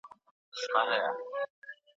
د مقالي مسوده باید په پاکه بڼه ولیکل سي.